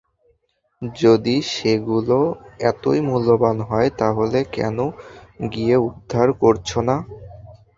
যদি সেগুলো এতই মূল্যবান হয়, তাহলে কেন গিয়ে উদ্ধার করছো না?